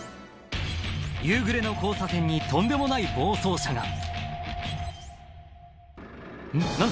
夕暮れの交差点にとんでもない暴走車が何だ？